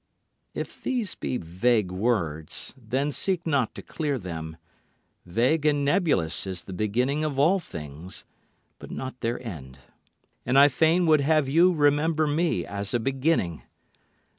If these be vague words, then seek not to clear them. Vague and nebulous is the beginning of all things, but not their end, And I fain would have you remember me as a beginning.